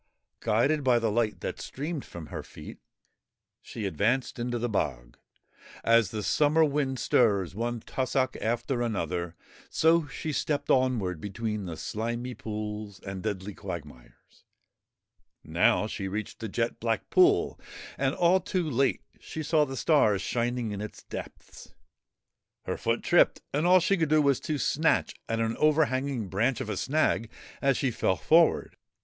Guided by the light that streamed from her feet, she advanced into the bog. As the summer wind stirs one tussock after another, so she stepped onward between the slimy ponds and deadly quag mires. Now she reached a jet black pool, and all too late she saw the stars shining in its depths. Her foot tripped and all she could do was to snatch at an overhanging branch of a snag as she fell forward.